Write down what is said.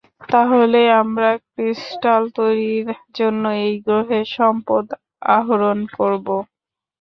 তাহলে আমরা ক্রিস্টাল তৈরির জন্য এই গ্রহে সম্পদ আহোরণ করবো!